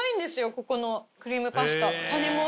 ここのクリームパスタ。